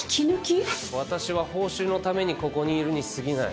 私は報酬のためにここにいるに過ぎない。